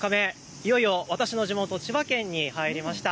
いよいよ私の地元、千葉県に入りました。